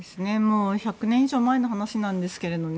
１００年以上前の話なんですけどね